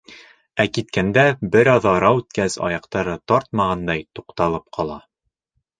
Ә киткәндә, бер аҙ ара үткәс, аяҡтары тартмағандай, туҡталып ҡала...